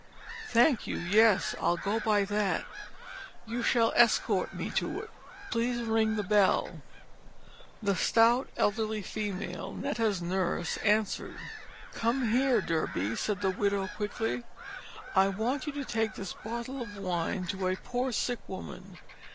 "Thank you. Yes, I'll go by that. You shall escort me to it. Please ring the bell." The stout elderly female Netta's nurse answered. "Come here, Durby," said the widow quickly; "I want you to take this bottle of wine to a poor sick woman.